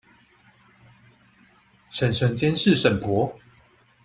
嬸嬸監視嬸婆